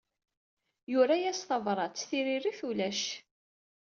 Yura-yas tabrat, tiririt ulac.